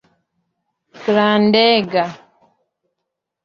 grandega